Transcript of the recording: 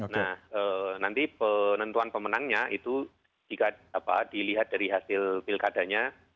nah nanti penentuan pemenangnya itu jika dilihat dari hasil pilkadanya